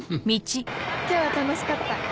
今日は楽しかった。